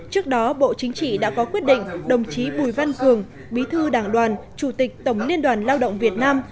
trước đó bộ chính trị đã có quyết định đồng chí bùi văn cường bí thư đảng đoàn chủ tịch tổng liên đoàn lao động việt nam